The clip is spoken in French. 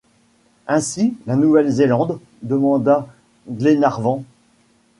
Ainsi la Nouvelle-Zélande?... demanda Glenarvan.